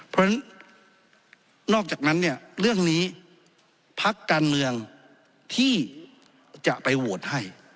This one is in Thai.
เพราะฉะนั้นนอกจากนั้นเนี่ยเรื่องนี้พักการเมืองที่จะไปโหวตให้